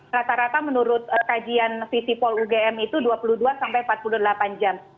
rata rata menurut kajian visipol ugm itu dua puluh dua sampai empat puluh delapan jam